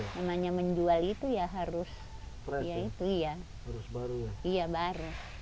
namanya menjual itu ya harus baru